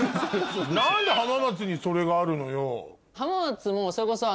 何で浜松にそれがあるのよ？